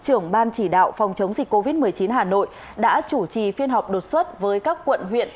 ủy đạo phòng chống dịch covid một mươi chín hà nội đã chủ trì phiên họp đột xuất với các quận huyện